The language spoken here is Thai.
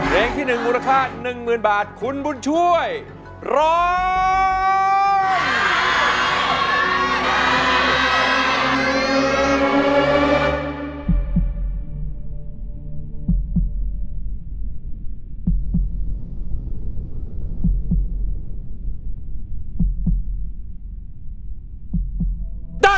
ร้องได้ร้องได้ร้องได้